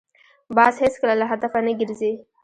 باز هېڅکله له هدفه نه ګرځي